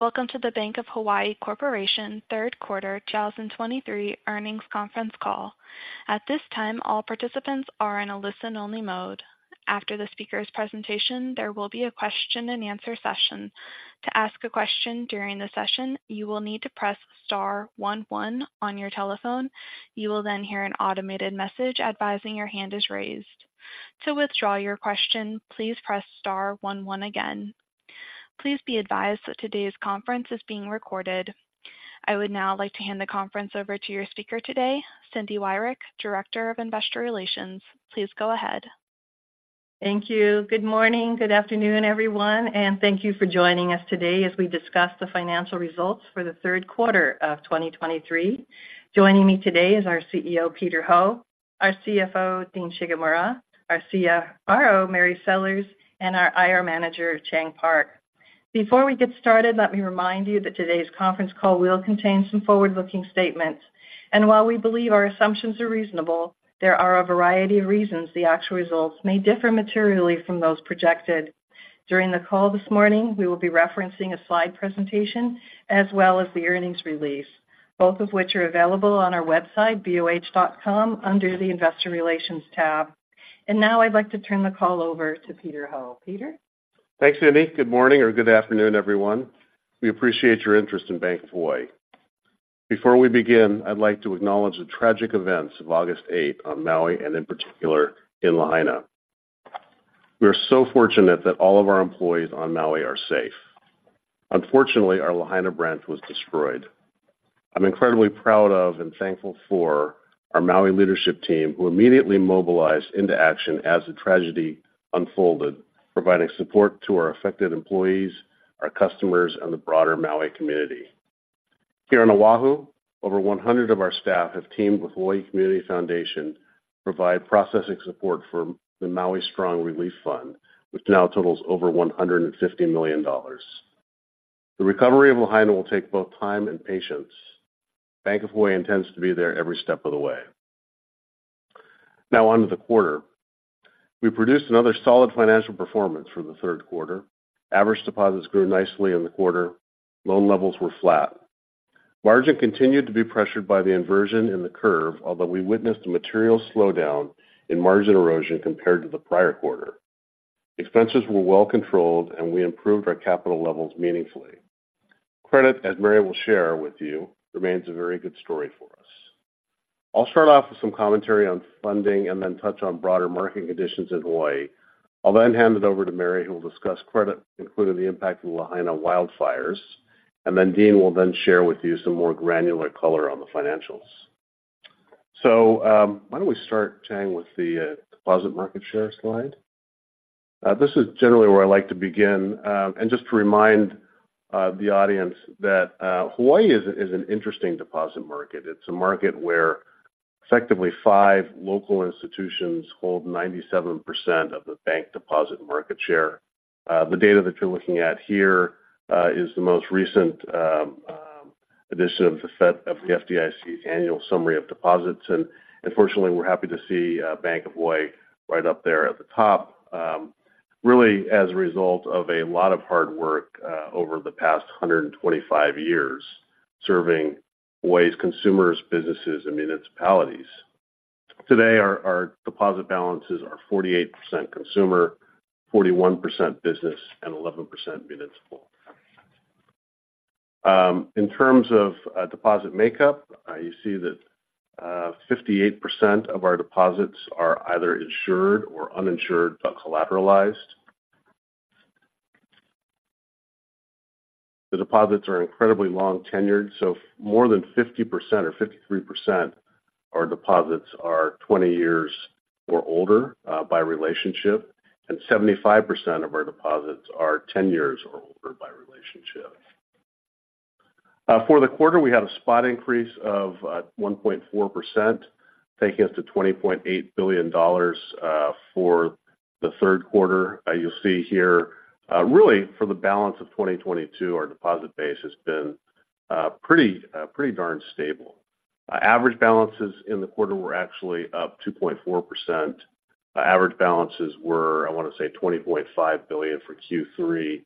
Welcome to the Bank of Hawaii Corporation third quarter 2023 earnings conference call. At this time, all participants are in a listen-only mode. After the speaker's presentation, there will be a question-and-answer session. To ask a question during the session, you will need to press star one one on your telephone. You will then hear an automated message advising your hand is raised. To withdraw your question, please press star one one again. Please be advised that today's conference is being recorded. I would now like to hand the conference over to your speaker today, Cindy Wyrick, Director of Investor Relations. Please go ahead. Thank you. Good morning, good afternoon, everyone, and thank you for joining us today as we discuss the financial results for the third quarter of 2023. Joining me today is our CEO, Peter Ho, our CFO, Dean Shigemura, our CRO, Mary Sellers, and our IR Manager, Chang Park. Before we get started, let me remind you that today's conference call will contain some forward-looking statements, and while we believe our assumptions are reasonable, there are a variety of reasons the actual results may differ materially from those projected. During the call this morning, we will be referencing a slide presentation as well as the earnings release, both of which are available on our website, boh.com, under the Investor Relations tab. And now I'd like to turn the call over to Peter Ho. Peter? Thanks, Cindy. Good morning or good afternoon, everyone. We appreciate your interest in Bank of Hawaii. Before we begin, I'd like to acknowledge the tragic events of August eight on Maui, and in particular, in Lahaina. We are so fortunate that all of our employees on Maui are safe. Unfortunately, our Lahaina branch was destroyed. I'm incredibly proud of and thankful for our Maui leadership team, who immediately mobilized into action as the tragedy unfolded, providing support to our affected employees, our customers, and the broader Maui community. Here on Oahu, over 100 of our staff have teamed with Hawaii Community Foundation to provide processing support for the Maui Strong Relief Fund, which now totals over $150 million. The recovery of Lahaina will take both time and patience. Bank of Hawaii intends to be there every step of the way. Now on to the quarter. We produced another solid financial performance for the third quarter. Average deposits grew nicely in the quarter. Loan levels were flat. Margin continued to be pressured by the inversion in the curve, although we witnessed a material slowdown in margin erosion compared to the prior quarter. Expenses were well controlled, and we improved our capital levels meaningfully. Credit, as Mary will share with you, remains a very good story for us. I'll start off with some commentary on funding and then touch on broader market conditions in Hawaii. I'll then hand it over to Mary, who will discuss credit, including the impact of the Lahaina wildfires, and then Dean will then share with you some more granular color on the financials. So, why don't we start, Chang, with the deposit market share slide? This is generally where I like to begin, and just to remind the audience that Hawaii is an interesting deposit market. It's a market where effectively five local institutions hold 97% of the bank deposit market share. The data that you're looking at here is the most recent edition of the FDIC's annual summary of deposits. And unfortunately, we're happy to see Bank of Hawaii right up there at the top, really, as a result of a lot of hard work over the past 125 years, serving Hawaii's consumers, businesses, and municipalities. Today, our deposit balances are 48% consumer, 41% business, and 11% municipal. In terms of deposit makeup, you see that 58% of our deposits are either insured or uninsured, but collateralized. The deposits are incredibly long-tenured, so more than 50% or 53%, our deposits are 20 years or older by relationship, and 75% of our deposits are 10 years or older by relationship. For the quarter, we had a spot increase of 1.4%, taking us to $20.8 billion for the third quarter. You'll see here, really for the balance of 2022, our deposit base has been pretty, pretty darn stable. Our average balances in the quarter were actually up 2.4%. Our average balances were, I want to say, $20.5 billion for Q3,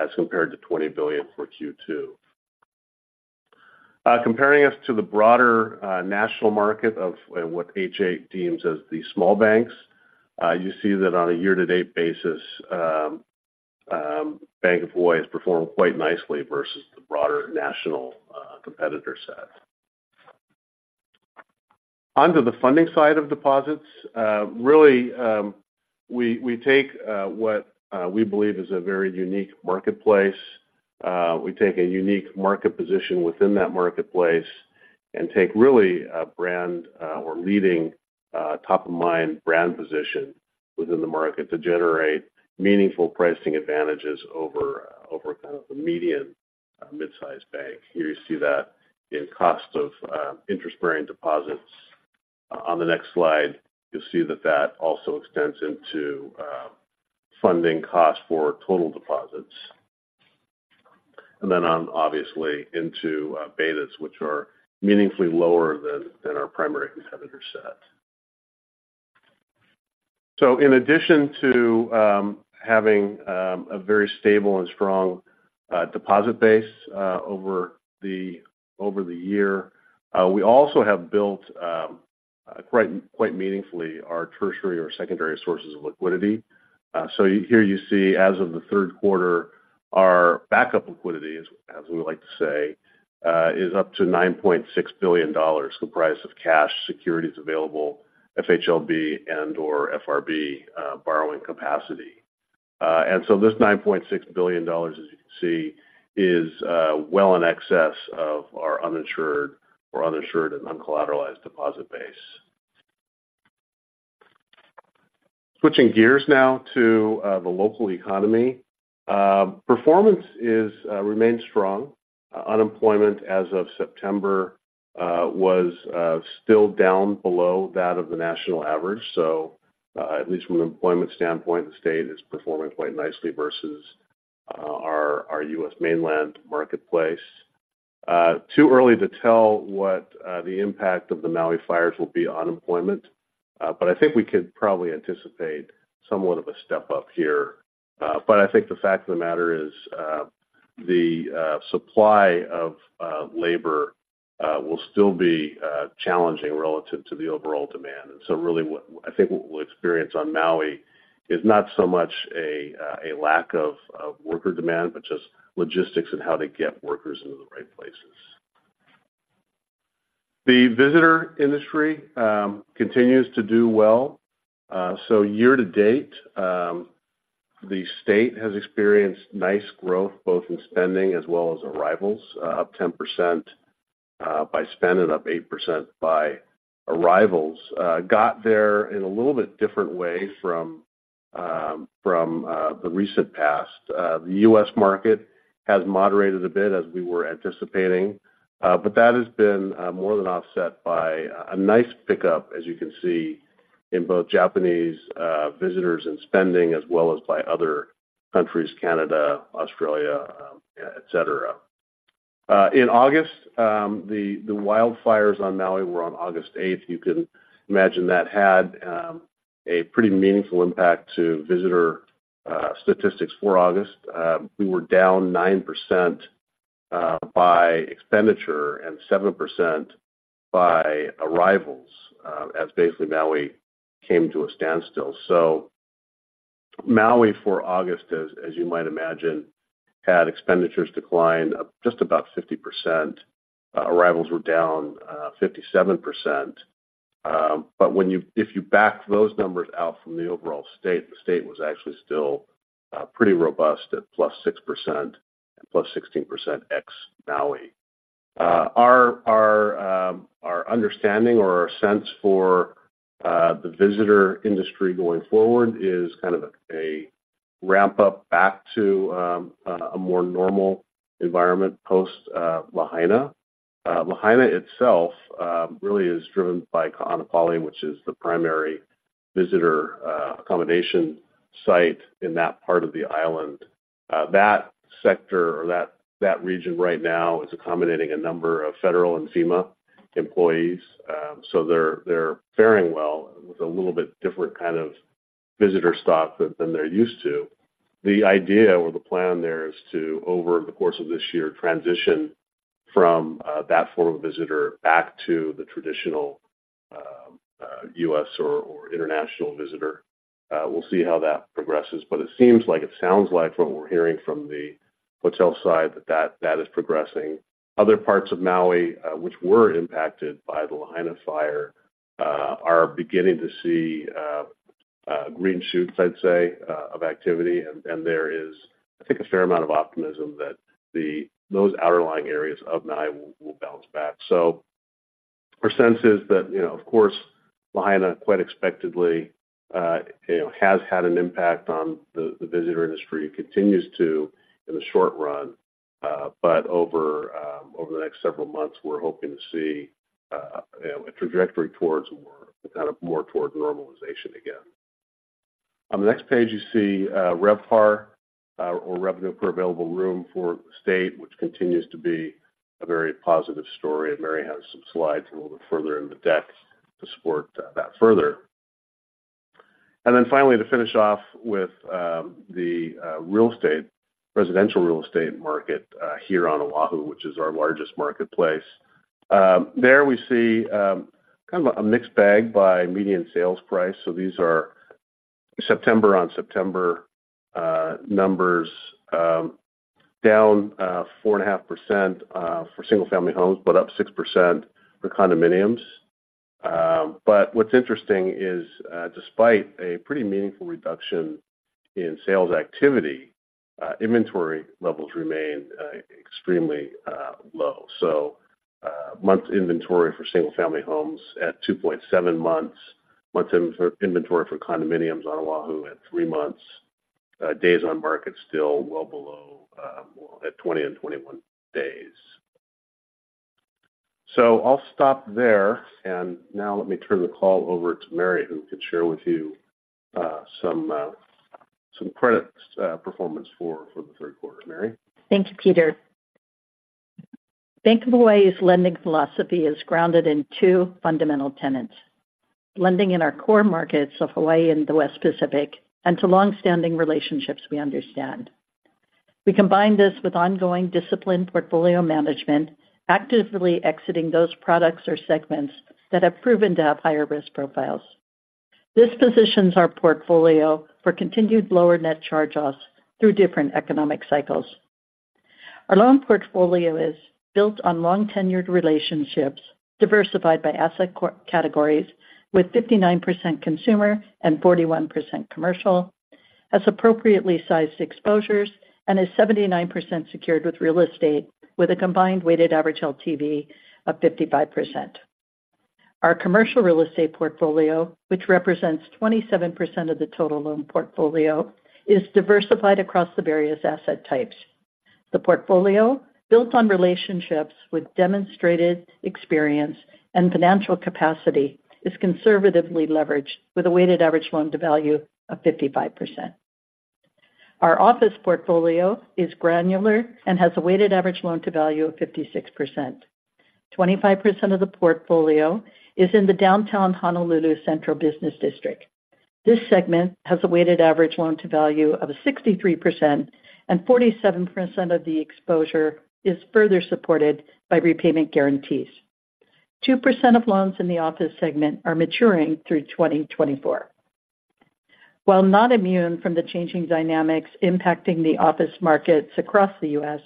as compared to $20 billion for Q2. Comparing us to the broader national market of what H.8 deems as the small banks, you see that on a year-to-date basis, Bank of Hawaii has performed quite nicely versus the broader national competitor set. Onto the funding side of deposits, really, we take what we believe is a very unique marketplace. We take a unique market position within that marketplace and take really a brand or leading top-of-mind brand position within the market to generate meaningful pricing advantages over kind of the median mid-sized bank. Here you see that in cost of interest-bearing deposits. On the next slide, you'll see that that also extends into funding costs for total deposits, and then, obviously, into betas, which are meaningfully lower than our primary competitor set. In addition to having a very stable and strong deposit base over the year, we also have built quite meaningfully our tertiary or secondary sources of liquidity. Here you see, as of the third quarter, our backup liquidity, as we like to say, is up to $9.6 billion, comprised of cash, securities available, FHLB and/or FRB borrowing capacity. This $9.6 billion, as you can see, is well in excess of our uninsured or uninsured and uncollateralized deposit base. Switching gears now to the local economy. Performance remains strong. Unemployment as of September was still down below that of the national average. So, at least from an employment standpoint, the state is performing quite nicely versus our U.S. mainland marketplace. Too early to tell what the impact of the Maui fires will be on employment, but I think we could probably anticipate somewhat of a step up here. But I think the fact of the matter is, the supply of labor will still be challenging relative to the overall demand. And so really, what I think we'll experience on Maui is not so much a lack of worker demand, but just logistics and how to get workers into the right places. The visitor industry continues to do well. So year to date, the state has experienced nice growth, both in spending as well as arrivals, up 10% by spend and up 8% by arrivals. Got there in a little bit different way from the recent past. The U.S. market has moderated a bit as we were anticipating, but that has been more than offset by a nice pickup, as you can see, in both Japanese visitors and spending, as well as by other countries, Canada, Australia, et cetera. In August, the wildfires on Maui were on August eighth. You can imagine that had a pretty meaningful impact to visitor statistics for August. We were down 9% by expenditure and 7% by arrivals, as basically Maui came to a standstill. So Maui for August, as you might imagine, had expenditures decline of just about 50%. Arrivals were down 57%. But if you back those numbers out from the overall state, the state was actually still pretty robust at +6% and +16% ex Maui. Our understanding or our sense for the visitor industry going forward is kind of a ramp up back to a more normal environment post Lahaina. Lahaina itself really is driven by Kaanapali, which is the primary visitor accommodation site in that part of the island. That sector or that region right now is accommodating a number of federal and FEMA employees. So they're faring well with a little bit different kind of visitor stock than they're used to. The idea or the plan there is to, over the course of this year, transition from that form of visitor back to the traditional US or international visitor. We'll see how that progresses, but it seems like it sounds like from what we're hearing from the hotel side, that is progressing. Other parts of Maui, which were impacted by the Lahaina fire, are beginning to see green shoots, I'd say, of activity. And there is, I think, a fair amount of optimism that the those outlying areas of Maui will bounce back. So our sense is that, you know, of course, Lahaina, quite expectedly, you know, has had an impact on the visitor industry, continues to in the short run. But over the next several months, we're hoping to see, you know, a trajectory towards more, kind of, more toward normalization again. On the next page, you see RevPAR, or revenue per available room for the state, which continues to be a very positive story, and Mary has some slides a little bit further in the deck to support that further. Then finally, to finish off with the real estate, residential real estate market here on Oahu, which is our largest marketplace. There we see kind of a mixed bag by median sales price. So these are September on September numbers, down 4.5% for single-family homes, but up 6% for condominiums. But what's interesting is, despite a pretty meaningful reduction in sales activity, inventory levels remain extremely low. So, months inventory for single family homes at 2.7 months. Months inventory for condominiums on Oahu at 3 months. Days on market still well below at 20 and 21 days. So I'll stop there. Now let me turn the call over to Mary, who could share with you some credit performance for the third quarter. Mary? Thank you, Peter. ...Bank of Hawaii's lending philosophy is grounded in two fundamental tenets. Lending in our core markets of Hawaii and the West Pacific, and to long-standing relationships we understand. We combine this with ongoing disciplined portfolio management, actively exiting those products or segments that have proven to have higher risk profiles. This positions our portfolio for continued lower net charge-offs through different economic cycles. Our loan portfolio is built on long-tenured relationships, diversified by asset categories, with 59% consumer and 41% commercial, has appropriately sized exposures, and is 79% secured with real estate, with a combined weighted average LTV of 55%. Our commercial real estate portfolio, which represents 27% of the total loan portfolio, is diversified across the various asset types. The portfolio, built on relationships with demonstrated experience and financial capacity, is conservatively leveraged, with a weighted average loan-to-value of 55%. Our office portfolio is granular and has a weighted average loan-to-value of 56%. 25% of the portfolio is in the downtown Honolulu Central Business District. This segment has a weighted average loan-to-value of 63%, and 47% of the exposure is further supported by repayment guarantees. 2% of loans in the office segment are maturing through 2024. While not immune from the changing dynamics impacting the office markets across the U.S.,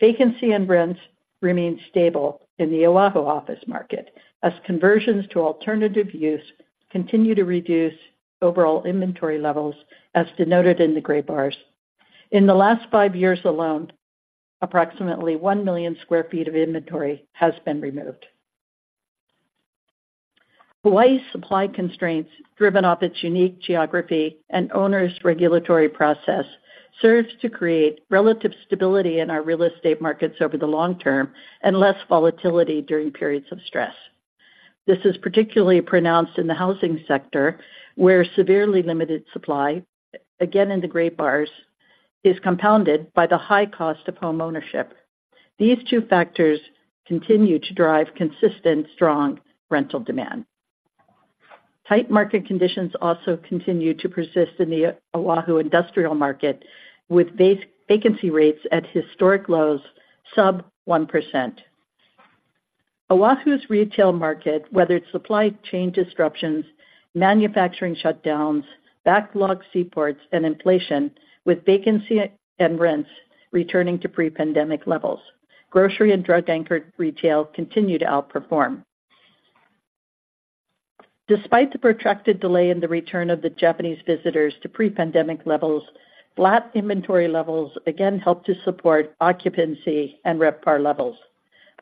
vacancy and rents remain stable in the Oahu office market, as conversions to alternative use continue to reduce overall inventory levels, as denoted in the gray bars. In the last 5 years alone, approximately 1 million sq ft of inventory has been removed. Hawaii's supply constraints, driven by its unique geography and onerous regulatory process, serve to create relative stability in our real estate markets over the long term and less volatility during periods of stress. This is particularly pronounced in the housing sector, where severely limited supply, again in the gray bars, is compounded by the high cost of homeownership. These two factors continue to drive consistent, strong rental demand. Tight market conditions also continue to persist in the Oahu industrial market, with base vacancy rates at historic lows, sub 1%. Oahu's retail market, whether it's supply chain disruptions, manufacturing shutdowns, backlogged seaports, and inflation, with vacancy and rents returning to pre-pandemic levels. Grocery and drug-anchored retail continue to outperform. Despite the protracted delay in the return of the Japanese visitors to pre-pandemic levels, flat inventory levels again help to support occupancy and RevPAR levels.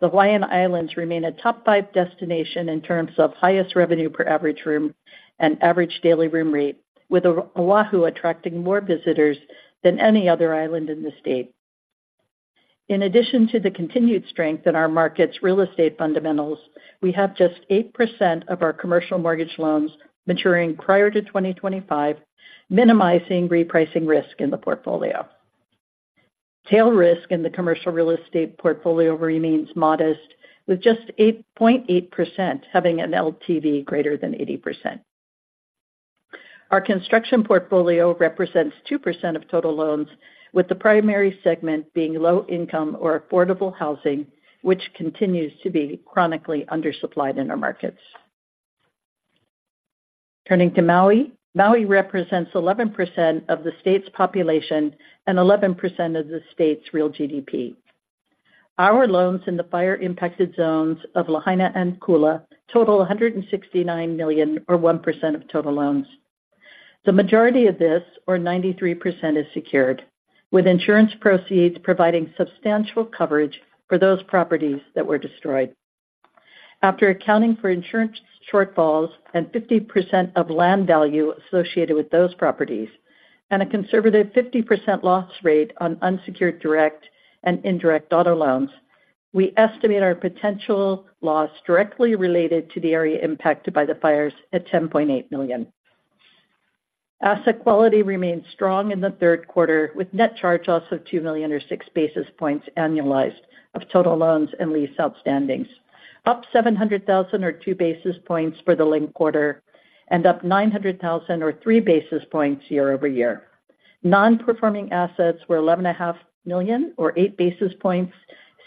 The Hawaiian Islands remain a top five destination in terms of highest revenue per average room and average daily room rate, with Oahu attracting more visitors than any other island in the state. In addition to the continued strength in our markets' real estate fundamentals, we have just 8% of our commercial mortgage loans maturing prior to 2025, minimizing repricing risk in the portfolio. Tail risk in the commercial real estate portfolio remains modest, with just 8.8% having an LTV greater than 80%. Our construction portfolio represents 2% of total loans, with the primary segment being low income or affordable housing, which continues to be chronically undersupplied in our markets. Turning to Maui. Maui represents 11% of the state's population and 11% of the state's real GDP. Our loans in the fire-impacted zones of Lahaina and Kula total $169 million, or 1% of total loans. The majority of this, or 93%, is secured, with insurance proceeds providing substantial coverage for those properties that were destroyed. After accounting for insurance shortfalls and 50% of land value associated with those properties, and a conservative 50% loss rate on unsecured, direct, and indirect auto loans, we estimate our potential loss directly related to the area impacted by the fires at $10.8 million. Asset quality remained strong in the third quarter, with net charge-offs of $2 million or 6 basis points annualized of total loans and lease outstandings, up $700,000 or 2 basis points for the linked quarter, and up $900,000 or 3 basis points year over year. Non-performing assets were $11.5 million or 8 basis points,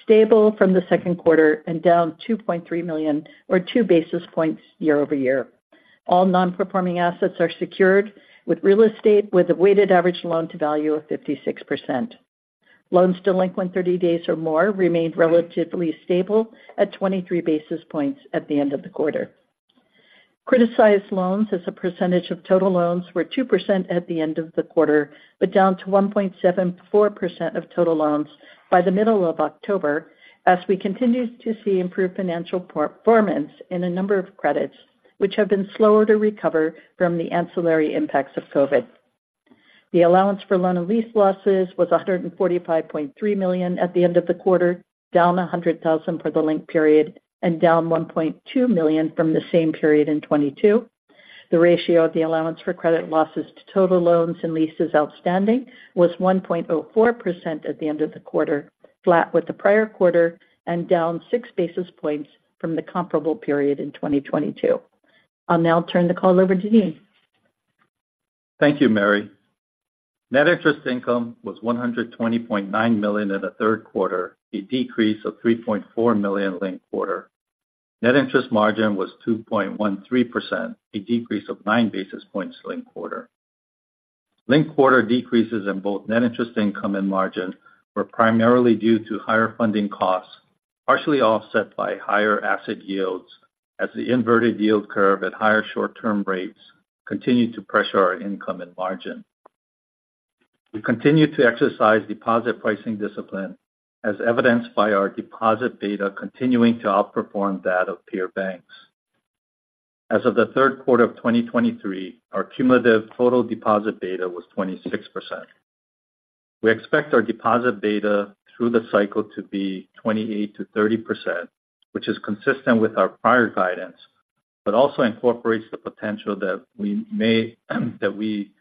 stable from the second quarter and down $2.3 million or 2 basis points year-over-year. All non-performing assets are secured with real estate, with a weighted average loan-to-value of 56%. Loans delinquent 30 days or more remained relatively stable at 23 basis points at the end of the quarter. Criticized loans as a percentage of total loans were 2% at the end of the quarter, but down to 1.74% of total loans by the middle of October, as we continued to see improved financial performance in a number of credits which have been slower to recover from the ancillary impacts of COVID. The allowance for loan and lease losses was $145.3 million at the end of the quarter, down $100,000 for the linked period and down $1.2 million from the same period in 2022. The ratio of the allowance for credit losses to total loans and leases outstanding was 1.04% at the end of the quarter, flat with the prior quarter and down six basis points from the comparable period in 2022. I'll now turn the call over to Dean. Thank you, Mary. Net interest income was $120.9 million in the third quarter, a decrease of $3.4 million linked quarter. Net interest margin was 2.13%, a decrease of 9 basis points linked quarter. Linked quarter decreases in both net interest income and margin were primarily due to higher funding costs, partially offset by higher asset yields as the inverted yield curve at higher short-term rates continued to pressure our income and margin. We continued to exercise deposit pricing discipline, as evidenced by our deposit beta continuing to outperform that of peer banks. As of the third quarter of 2023, our cumulative total deposit beta was 26%. We expect our deposit beta through the cycle to be 28%-30%, which is consistent with our prior guidance, but also incorporates the potential that we may, that we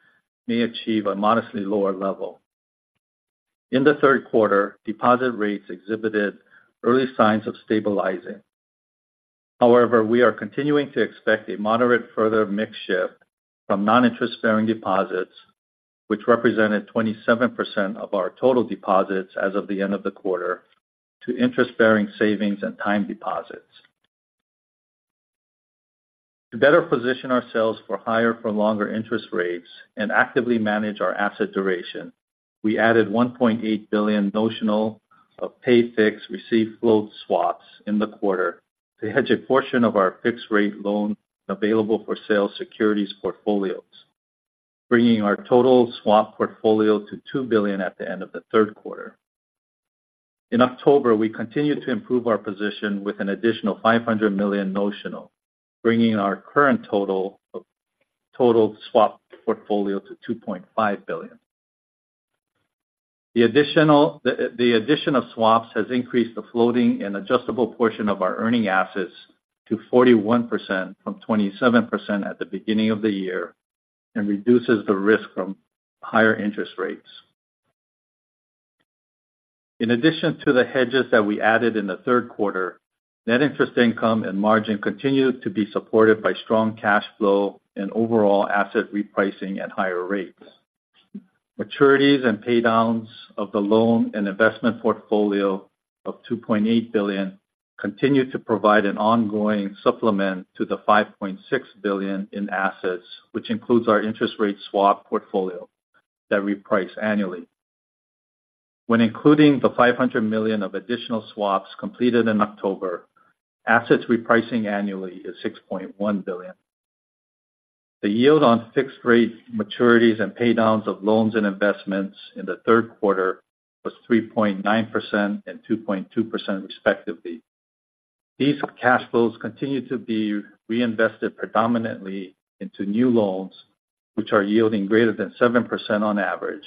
may achieve a modestly lower level. In the third quarter, deposit rates exhibited early signs of stabilizing. However, we are continuing to expect a moderate further mix shift from non-interest bearing deposits, which represented 27% of our total deposits as of the end of the quarter, to interest-bearing savings and time deposits. To better position ourselves for higher for longer interest rates and actively manage our asset duration, we added $1.8 billion notional of pay-fixed, receive-float swaps in the quarter to hedge a portion of our fixed-rate loan available-for-sale securities portfolios, bringing our total swap portfolio to $2 billion at the end of the third quarter. In October, we continued to improve our position with an additional $500 million notional, bringing our current total swap portfolio to $2.5 billion. The addition of swaps has increased the floating and adjustable portion of our earning assets to 41% from 27% at the beginning of the year and reduces the risk from higher interest rates. In addition to the hedges that we added in the third quarter, net interest income and margin continued to be supported by strong cash flow and overall asset repricing at higher rates. Maturities and paydowns of the loan and investment portfolio of $2.8 billion continued to provide an ongoing supplement to the $5.6 billion in assets, which includes our interest rate swap portfolio that reprice annually. When including the $500 million of additional swaps completed in October, assets repricing annually is $6.1 billion. The yield on fixed rate maturities and paydowns of loans and investments in the third quarter was 3.9% and 2.2% respectively. These cash flows continue to be reinvested predominantly into new loans, which are yielding greater than 7% on average,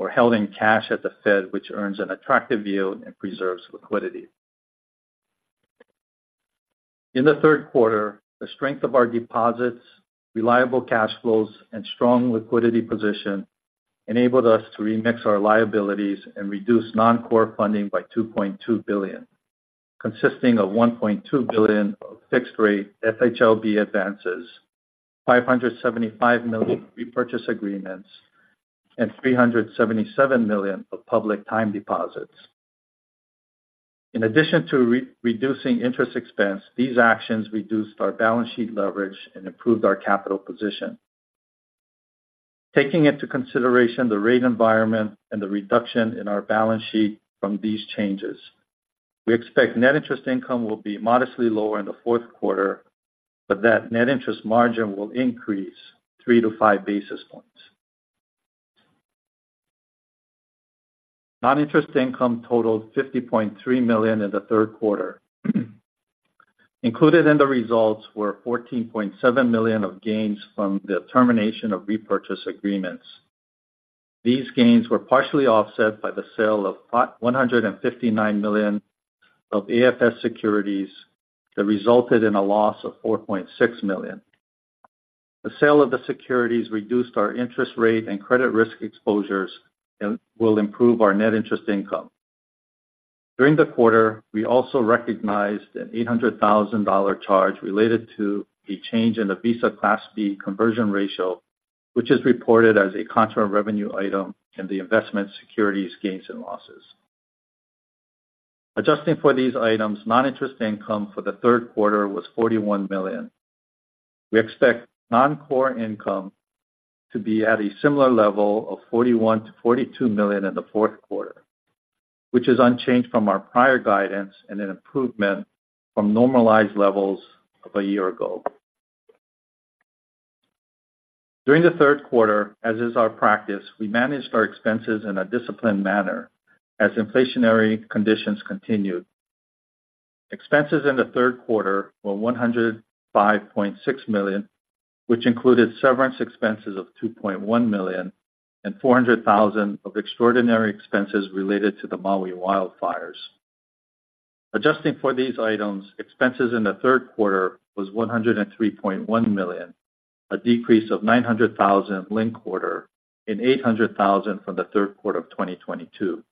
or held in cash at the Fed, which earns an attractive yield and preserves liquidity. In the third quarter, the strength of our deposits, reliable cash flows, and strong liquidity position enabled us to remix our liabilities and reduce non-core funding by $2.2 billion, consisting of $1.2 billion of fixed rate FHLB advances, $575 million repurchase agreements, and $377 million of public time deposits. In addition to re-reducing interest expense, these actions reduced our balance sheet leverage and improved our capital position. Taking into consideration the rate environment and the reduction in our balance sheet from these changes, we expect net interest income will be modestly lower in the fourth quarter, but that net interest margin will increase 3-5 basis points. Non-interest income totaled $50.3 million in the third quarter. Included in the results were $14.7 million of gains from the termination of repurchase agreements. These gains were partially offset by the sale of $159 million of AFS securities that resulted in a loss of $4.6 million. The sale of the securities reduced our interest rate and credit risk exposures and will improve our net interest income. During the quarter, we also recognized an $800,000 charge related to a change in the Visa Class B conversion ratio, which is reported as a contra revenue item in the investment securities gains and losses. Adjusting for these items, noninterest income for the third quarter was $41 million. We expect non-core income to be at a similar level of $41 million-$42 million in the fourth quarter, which is unchanged from our prior guidance and an improvement from normalized levels of a year ago. During the third quarter, as is our practice, we managed our expenses in a disciplined manner as inflationary conditions continued. Expenses in the third quarter were $105.6 million, which included severance expenses of $2.1 million and $400,000 of extraordinary expenses related to the Maui wildfires. Adjusting for these items, expenses in the third quarter was $103.1 million, a decrease of $900,000 linked quarter and $800,000 from the third quarter of 2022.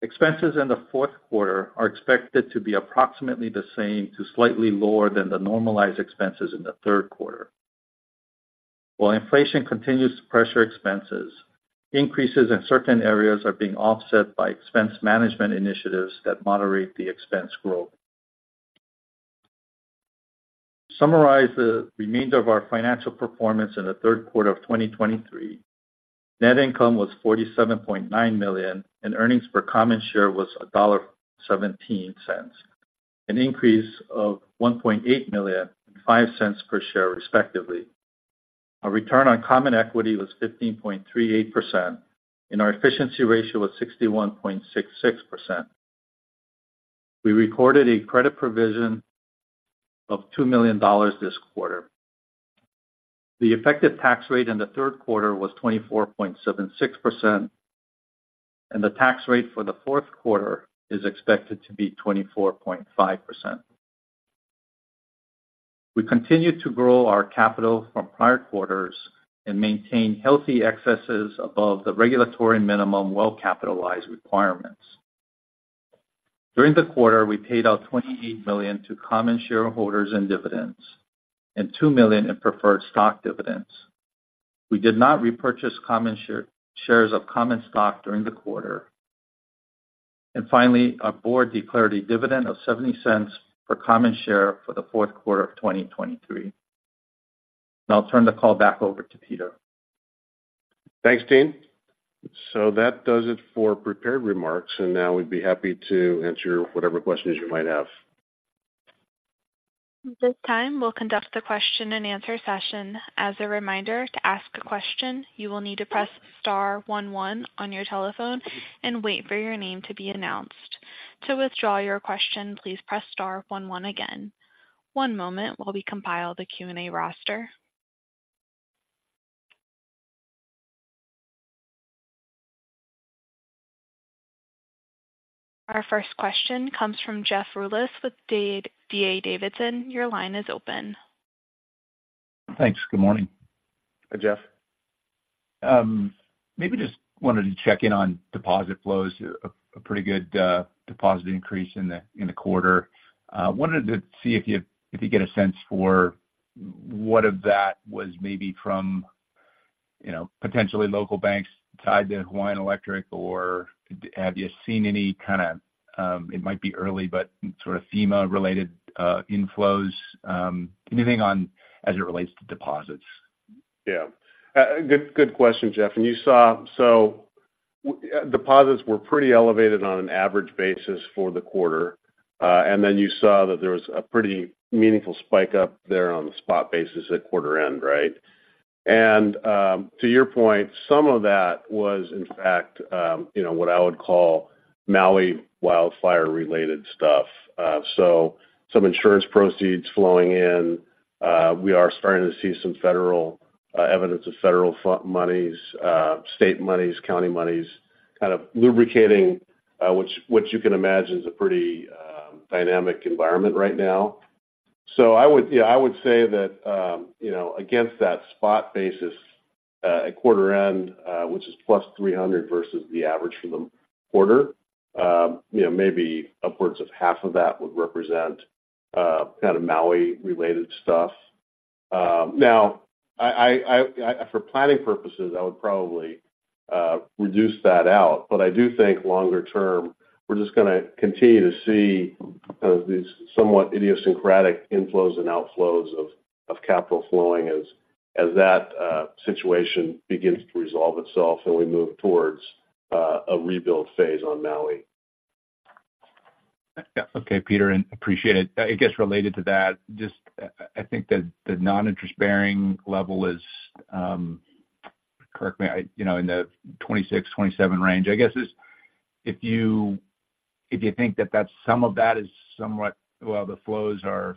Expenses in the fourth quarter are expected to be approximately the same to slightly lower than the normalized expenses in the third quarter. While inflation continues to pressure expenses, increases in certain areas are being offset by expense management initiatives that moderate the expense growth. To summarize the remainder of our financial performance in the third quarter of 2023, net income was $47.9 million, and earnings per common share was $1.17, an increase of $1.8 million and $0.05 per share, respectively. Our return on common equity was 15.38%, and our efficiency ratio was 61.66%. We recorded a credit provision of $2 million this quarter. The effective tax rate in the third quarter was 24.76%, and the tax rate for the fourth quarter is expected to be 24.5%. We continued to grow our capital from prior quarters and maintain healthy excesses above the regulatory minimum well-capitalized requirements. During the quarter, we paid out $28 million to common shareholders in dividends and $2 million in preferred stock dividends. We did not repurchase common shares of common stock during the quarter. And finally, our board declared a dividend of $0.70 per common share for the fourth quarter of 2023. Now I'll turn the call back over to Peter. Thanks, Dean. So that does it for prepared remarks, and now we'd be happy to answer whatever questions you might have. At this time, we'll conduct the question-and-answer session. As a reminder, to ask a question, you will need to press star one one on your telephone and wait for your name to be announced. To withdraw your question, please press star one one again. One moment while we compile the Q&A roster. Our first question comes from Jeff Rulis with D.A. Davidson. Your line is open. Thanks. Good morning. Hi, Jeff. Maybe just wanted to check in on deposit flows. A pretty good deposit increase in the quarter. Wanted to see if you get a sense for what of that was maybe from, you know, potentially local banks tied to Hawaiian Electric, or have you seen any kind of, it might be early, but sort of FEMA-related inflows, anything on as it relates to deposits? Yeah. Good, good question, Jeff. And you saw. So deposits were pretty elevated on an average basis for the quarter. And then you saw that there was a pretty meaningful spike up there on the spot basis at quarter end, right? And to your point, some of that was, in fact, you know, what I would call Maui wildfire-related stuff. So some insurance proceeds flowing in. We are starting to see some federal evidence of federal funding monies, state monies, county monies, kind of lubricating, which you can imagine is a pretty dynamic environment right now. So I would, yeah, I would say that, you know, against that spot basis, at quarter end, which is plus 300 versus the average for the quarter, you know, maybe upwards of half of that would represent, kind of Maui-related stuff. Now, for planning purposes, I would probably reduce that out. But I do think longer term, we're just going to continue to see kind of these somewhat idiosyncratic inflows and outflows of capital flowing as that situation begins to resolve itself, and we move towards a rebuild phase on Maui. Yeah. Okay, Peter, and appreciate it. I guess related to that, just I think that the non-interest-bearing level is, correct me, you know, in the 26-27 range. I guess is, if you, if you think that that's some of that is somewhat, well, the flows are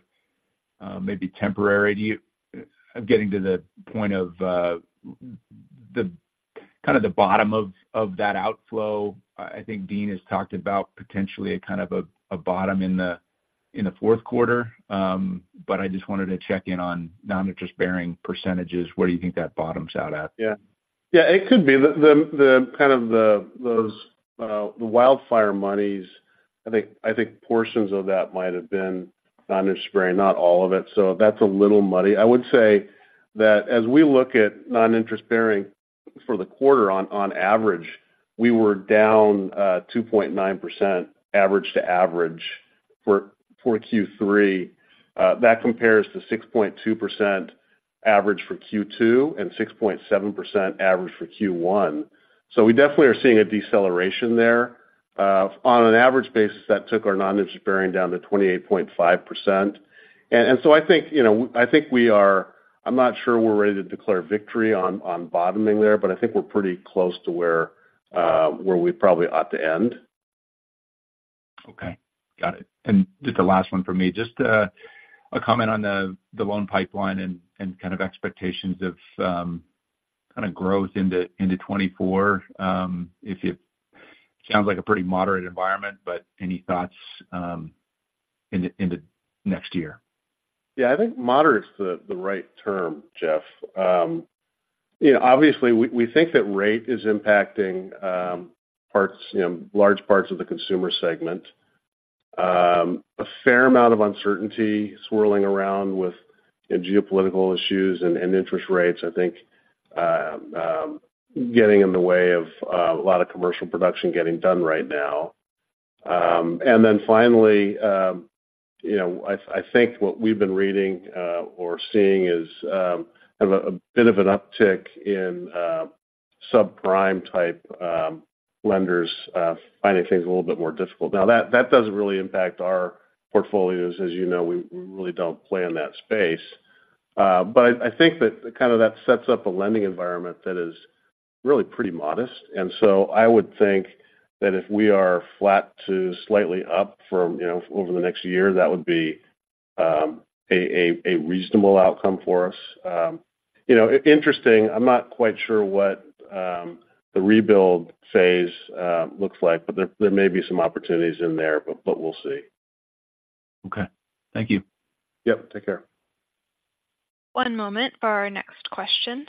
maybe temporary, do you of getting to the point of the kind of the bottom of that outflow? I think Dean has talked about potentially a kind of a bottom in the fourth quarter. But I just wanted to check in on non-interest-bearing percentages. Where do you think that bottoms out at? Yeah. Yeah, it could be. The kind of those, the wildfire monies, I think portions of that might have been non-interest-bearing, not all of it. So that's a little muddy. I would say that as we look at non-interest-bearing for the quarter on average, we were down 2.9% average to average for Q3. That compares to 6.2% average for Q2 and 6.7% average for Q1. So we definitely are seeing a deceleration there. On an average basis, that took our non-interest-bearing down to 28.5%. And so I think, you know, I think we are. I'm not sure we're ready to declare victory on bottoming there, but I think we're pretty close to where we probably ought to end. Okay, got it. And just the last one for me, just a comment on the loan pipeline and kind of expectations of kind of growth into 2024. If you- sounds like a pretty moderate environment, but any thoughts.... into next year? Yeah, I think moderate's the right term, Jeff. You know, obviously, we think that rate is impacting parts, you know, large parts of the consumer segment. A fair amount of uncertainty swirling around with geopolitical issues and interest rates, I think, getting in the way of a lot of commercial production getting done right now. And then finally, you know, I think what we've been reading or seeing is kind of a bit of an uptick in subprime-type lenders finding things a little bit more difficult. Now, that doesn't really impact our portfolios. As you know, we really don't play in that space. But I think that kind of sets up a lending environment that is really pretty modest. So I would think that if we are flat to slightly up from, you know, over the next year, that would be a reasonable outcome for us. You know, interesting, I'm not quite sure what the rebuild phase looks like, but there may be some opportunities in there, but we'll see. Okay. Thank you. Yep. Take care. One moment for our next question.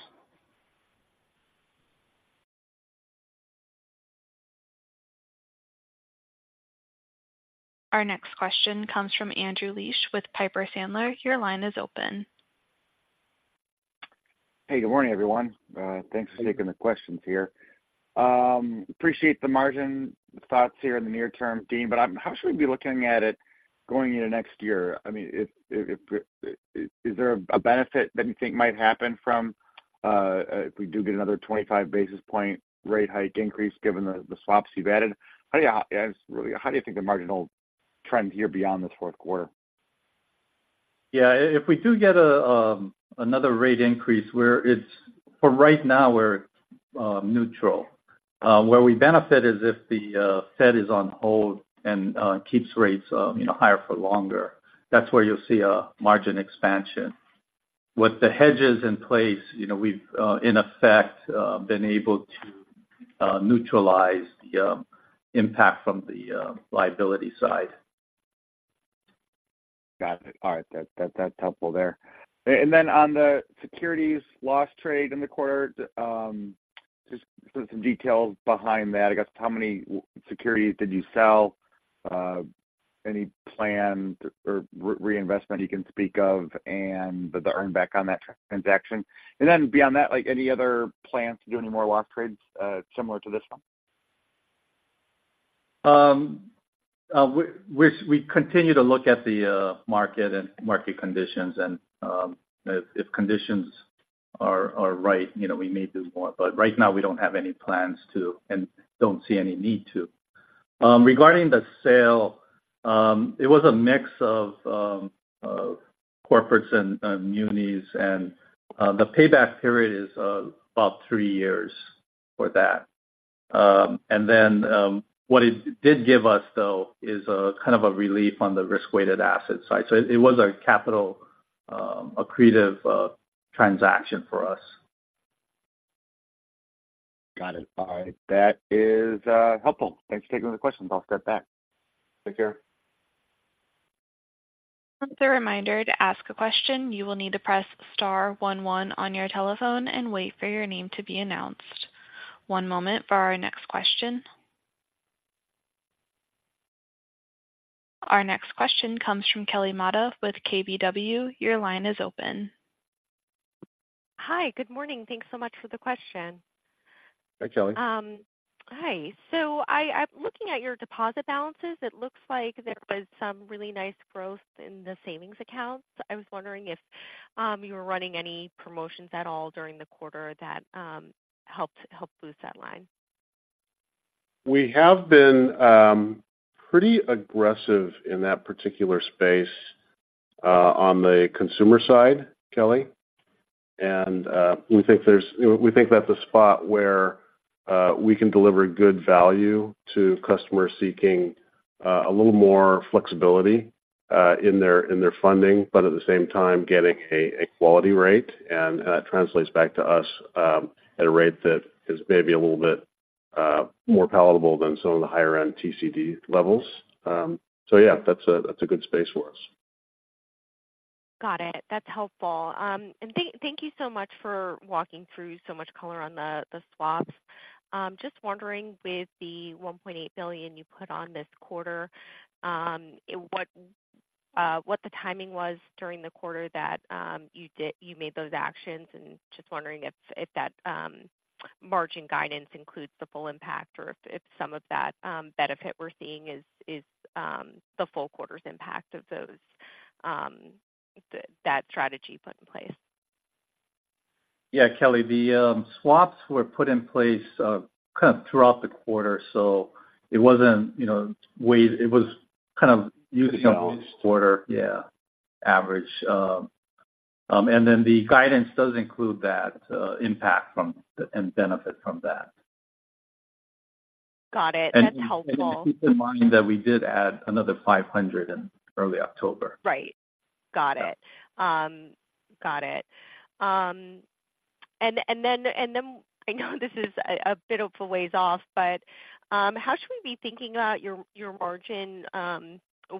Our next question comes from Andrew Liesch with Piper Sandler. Your line is open. Hey, good morning, everyone. Thanks for taking the questions here. Appreciate the margin thoughts here in the near term, Dean, but how should we be looking at it going into next year? I mean, if there is a benefit that you think might happen from, if we do get another 25 basis points rate hike increase given the swaps you've added? How do you—Really, how do you think the marginal trend here beyond the fourth quarter? Yeah, if we do get another rate increase, where it's for right now, we're neutral. Where we benefit is if the Fed is on hold and keeps rates, you know, higher for longer. That's where you'll see a margin expansion. With the hedges in place, you know, we've in effect been able to neutralize the impact from the liability side. Got it. All right. That's helpful there. And then on the securities loss trade in the quarter, just some details behind that, I guess. How many securities did you sell? Any plans or reinvestment you can speak of and the earn back on that transaction? And then beyond that, like, any other plans to do any more loss trades, similar to this one? We continue to look at the market and market conditions, and if conditions are right, you know, we may do more, but right now we don't have any plans to and don't see any need to. Regarding the sale, it was a mix of corporates and munis, and the payback period is about three years for that. And then, what it did give us, though, is a kind of a relief on the risk-weighted asset side. So it was a capital accretive transaction for us. Got it. All right. That is helpful. Thanks for taking the questions. I'll step back. Take care. Just a reminder: to ask a question, you will need to press star one one on your telephone and wait for your name to be announced. One moment for our next question. Our next question comes from Kelly Motta with KBW. Your line is open. Hi, good morning. Thanks so much for the question. Hi, Kelly. Hi. So, looking at your deposit balances, it looks like there was some really nice growth in the savings accounts. I was wondering if you were running any promotions at all during the quarter that helped boost that line? We have been pretty aggressive in that particular space on the consumer side, Kelly. We think that's a spot where we can deliver good value to customers seeking a little more flexibility in their funding, but at the same time, getting a quality rate, and translates back to us at a rate that is maybe a little bit more palatable than some of the higher-end TCD levels. So yeah, that's a good space for us. Got it. That's helpful. And thank you so much for walking through so much color on the swaps. Just wondering, with the $1.8 billion you put on this quarter, what the timing was during the quarter that you made those actions, and just wondering if that margin guidance includes the full impact or if some of that benefit we're seeing is the full quarter's impact of those, that strategy put in place? Yeah, Kelly, the swaps were put in place kind of throughout the quarter, so it wasn't, you know, weighed. It was kind of using- Quarter. Yeah, average. And then the guidance does include that impact from and benefit from that. Got it. That's helpful. Keep in mind that we did add another $500,000 in early October. Right. Got it. Yeah. Got it. And then I know this is a bit of a ways off, but how should we be thinking about your margin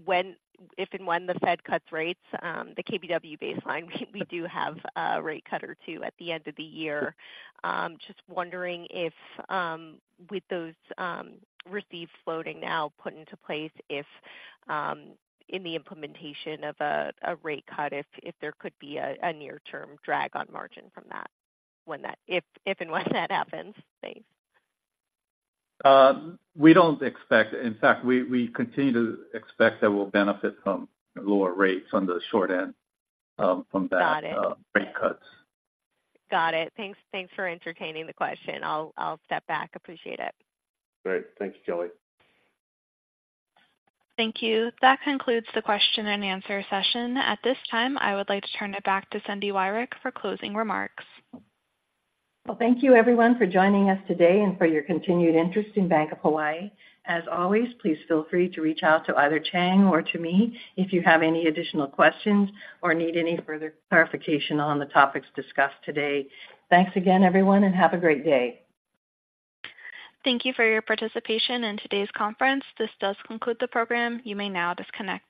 when—if and when the Fed cuts rates, the KBW baseline? We do have a rate cutter, too, at the end of the year. Just wondering if, with those received floating now put into place, if in the implementation of a rate cut, if there could be a near-term drag on margin from that, when that—if and when that happens? Thanks. We don't expect... In fact, we continue to expect that we'll benefit from lower rates on the short end, from that- Got it. rate cuts. Got it. Thanks, thanks for entertaining the question. I'll, I'll step back. Appreciate it. Great. Thank you, Kelly. Thank you. That concludes the question and answer session. At this time, I would like to turn it back to Cindy Wyrick for closing remarks. Well, thank you, everyone, for joining us today and for your continued interest in Bank of Hawaii. As always, please feel free to reach out to either Chang or to me if you have any additional questions or need any further clarification on the topics discussed today. Thanks again, everyone, and have a great day. Thank you for your participation in today's conference. This does conclude the program. You may now disconnect.